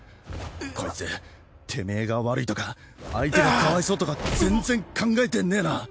コイツテメエが悪いとか相手がかわいそうとか全然考えてねえな！